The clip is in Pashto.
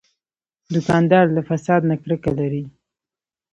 دوکاندار له فساد نه کرکه لري.